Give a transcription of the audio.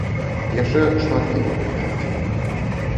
Яшчэ шмат піва купляюць.